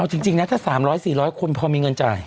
เอาจริงนะถ้า๓๐๐๔๐๐คนพอมีเงินจ่าย